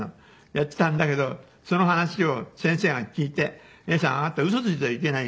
やっていたんだけどその話を先生が聞いて「永さんあなたウソついてはいけない」。